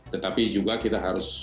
tetapi juga kita harus